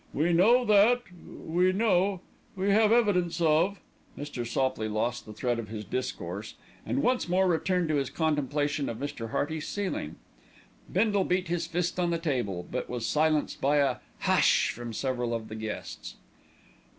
We know that we know we have evidence of " Mr. Sopley lost the thread of his discourse, and once more returned to his contemplation of Mr. Hearty's ceiling. Bindle beat his fist on the table; but was silenced by a "Husssssssh" from several of the guests.